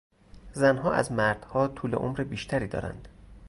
زنها از مردها طول عمر بیشتری دارند.